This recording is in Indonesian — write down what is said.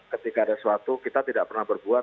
ketika ada suatu kita tidak pernah berbuat